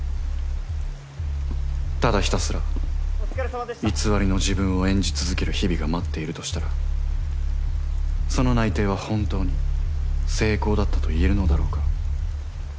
ただひたすら偽りの自分を演じ続ける日々が待っているとしたらその内定は本当に成功だったといえるのだろうか。